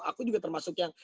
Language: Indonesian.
aku juga termasuk yang